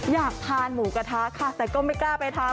อยากทานหมูกระทะค่ะแต่ก็ไม่กล้าไปทาน